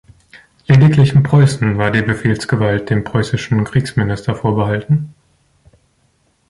Lediglich in Preußen war die Befehlsgewalt dem preußischen Kriegsminister vorbehalten.